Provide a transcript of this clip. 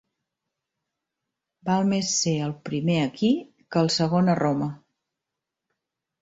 Val més ser el primer aquí que el segon a Roma.